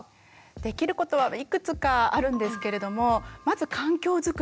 できることはいくつかあるんですけれどもまず環境づくり。